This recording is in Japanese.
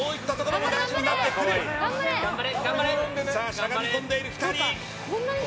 しゃがみこんでいる２人。